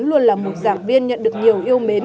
luôn là một giảng viên nhận được nhiều yêu mến